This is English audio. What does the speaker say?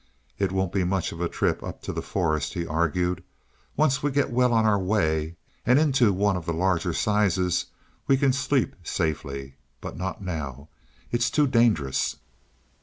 "It won't be much of a trip up to the forests," he argued. "Once we get well on our way and into one of the larger sizes, we can sleep safely. But not now; it's too dangerous."